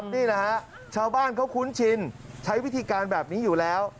นี่แหละฮะชาวบ้านเขาคุ้นชินใช้วิธีการแบบนี้อยู่แล้ว